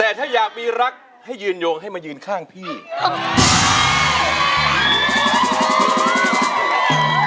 ด้านล่างเขาก็มีความรักให้กันนั่งหน้าตาชื่นบานมากเลยนะคะ